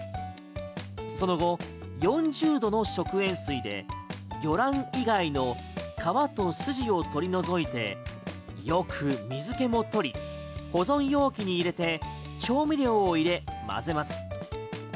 その後４０度の食塩水で魚卵以外の皮と筋を取り除いてよく水気を取り保存容器に入れて調味料を入れ、混ぜます。